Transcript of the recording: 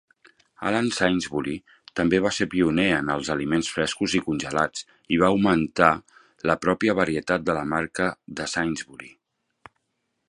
Alan Sainsbury també va ser pioner en els aliments frescos i congelats i va augmentar la pròpia varietat de la marca de Sainsbury.